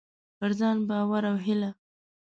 پر ځان باور او هيله: